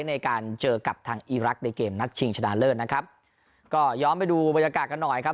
ในการเจอกับทางอีรักษ์ในเกมนัดชิงชนะเลิศนะครับก็ย้อนไปดูบรรยากาศกันหน่อยครับ